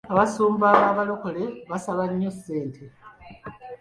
Abasumba b'Abalokole basaba nnyo ssente.